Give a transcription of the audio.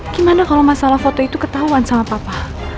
gimana kalau masalah foto itu ketahuan sama papa